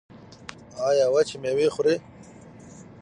ایا وچې میوې خورئ؟